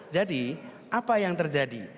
jadi apa yang terjadi